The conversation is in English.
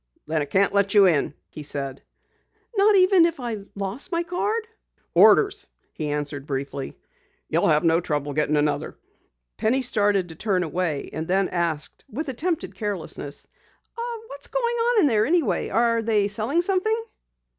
"Then I can't let you in," he said. "Not even if I have lost my card?" "Orders," he answered briefly. "You'll have no trouble getting another." Penny started to turn away, and then asked with attempted carelessness: "What's going on in there anyway? Are they selling something?"